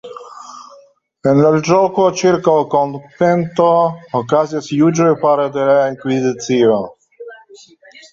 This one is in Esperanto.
En loĝloko ĉirkaŭ konvento okazis juĝoj fare de la Inkvizicio.